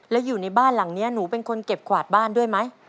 แล้วอยู่ในบ้านหลังนี้หนูเป็นคนเก็บกวาดบ้านด้วยไหม